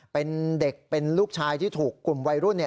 เป็นเด็กเป็นลูกชายที่ถูกกลุ่มวัยรุ่น